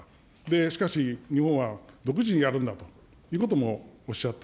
しかし、日本は独自にやるんだということもおっしゃった。